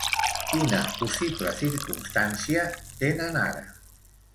Quina possible circumstància tenen ara?